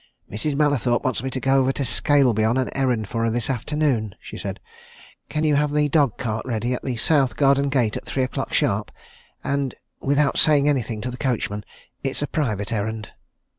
"Mrs. Mallathorpe wants me to go over to Scaleby on an errand for her this afternoon," she said. "Can you have the dog cart ready, at the South Garden gate at three o'clock sharp? And without saying anything to the coachman? It's a private errand."